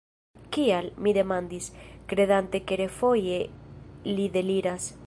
Kial? mi demandis, kredante ke refoje li deliras.